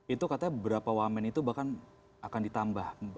itu katanya beberapa wamen itu bahkan akan ditambah